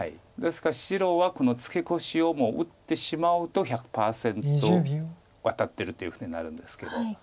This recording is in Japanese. ですから白はこのツケコシを打ってしまうと１００％ワタってるということになるんですけど。